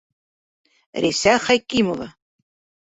Рәйсә ХӘКИМОВА